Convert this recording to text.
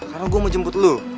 karena gue mau jemput lo